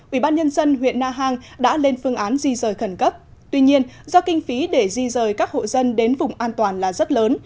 ubnd huyện na hàng đã lên phương án di rời khẩn cấp tuy nhiên do kinh phí để di rời các hộ dân đến vùng an toàn là rất lớn